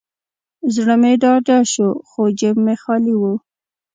زړه مې ډاډه شو، خو جیب مې خالي و.